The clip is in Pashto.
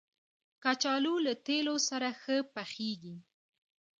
کچالو له تېلو سره ښه پخېږي